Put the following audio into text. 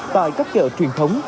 tại các chợ truyền thống